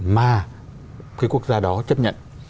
mà quốc gia đó chấp nhận